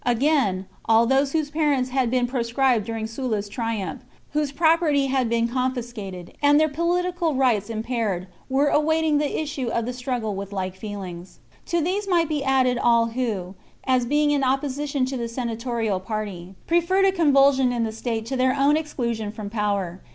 Again, all those whose parents had been proscribed during Sulla's triumph, whose property had been con fiscated, and their political rights impaired, were awaiting the issue of the struggle with like feelings. To these might be added all who, as being in opposi tion to the senatorial party, preferred a convulsion in the state to their own exclusion from power.